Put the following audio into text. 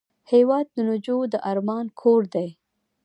هېواد د نجو د ارمان کور دی.